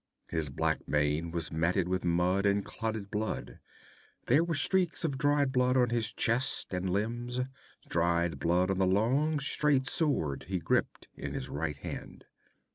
His black mane was matted with mud and clotted blood; there were streaks of dried blood on his chest and limbs, dried blood on the long straight sword he gripped in his right hand.